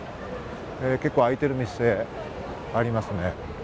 結構開いている店ありますね。